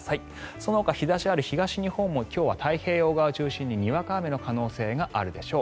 そのほか日差しがある東日本も今日は太平洋側中心ににわか雨の可能性があるでしょう。